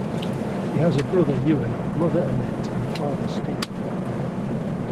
He has a brother Euan, mother Annette and father Steve.